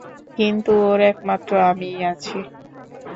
কিন্তু ওর একমাত্র আমিই আছি।